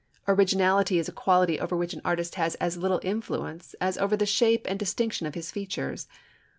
Originality is a quality over which an artist has as little influence as over the shape and distinction of his features.